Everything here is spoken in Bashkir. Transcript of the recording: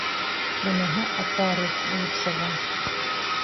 Быныһы ата Рухх булып сыға.